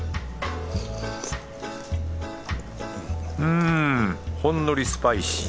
んほんのりスパイシー。